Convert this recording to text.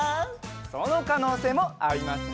そのかのうせいもありますね。